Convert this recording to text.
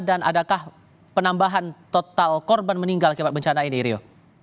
dan adakah penambahan total korban meninggal akibat bencana ini rio